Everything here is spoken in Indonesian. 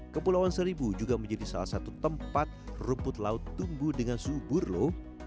kepulauan seribu juga menjadi salah satu tempat rumput laut tumbuh dengan subur loh